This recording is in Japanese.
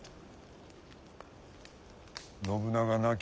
信長亡き